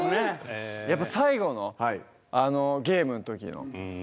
やっぱ最後のゲームの時の。